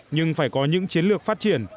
nhưng phải có những chiến lược phát triển